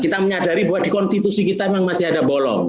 kita menyadari bahwa di konstitusi kita memang masih ada bolong